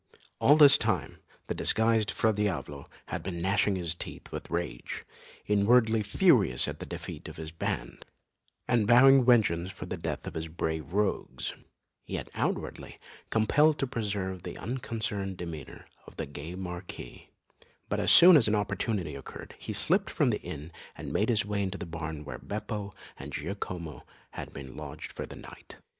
All this time the disguised Fra Diavolo had been gnashing his teeth with rage, inwardly furious at the defeat of his band, and vowing vengeance for the death of his brave rogues, yet outwardly compelled to preserve the unconcerned demeanour of the gay Marquis; but as soon as an opportunity occurred, he slipped from the inn and made his way to the barn where Beppo and Giacomo had been lodged for the night.